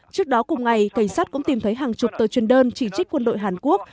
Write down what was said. trước đó cùng ngày cảnh sát cũng tìm thấy hàng chục tờ truyền đơn chỉ trích quân đội hàn quốc